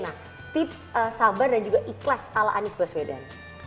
nah tips sabar dan juga ikhlas ala anies baswedan